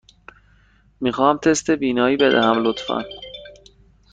می خواهم تست بینایی بدهم، لطفاً.